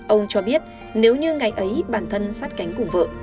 ông cho biết nếu như ngày ấy bản thân sát cánh của mình